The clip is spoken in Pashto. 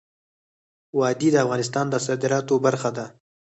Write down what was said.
وادي د افغانستان د صادراتو برخه ده.